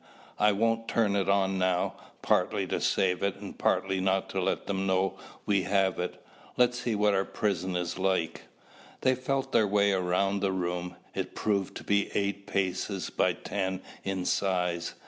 I won't turn it on now, partly to save it and partly not to let them know we have it. Let's see what our prison is like." They felt their way around the room. It proved to be eight paces by ten in size.